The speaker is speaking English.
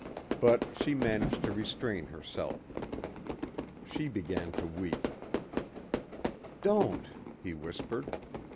But she managed to restrain herself. She began to weep. "Don't," he whispered.